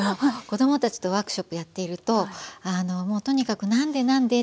子どもたちとワークショップやっているともうとにかく「何で？